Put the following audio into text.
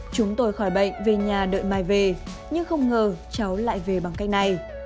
chúng tôi khỏi bệnh về nhà đợi mài về nhưng không ngờ cháu lại về bằng cách này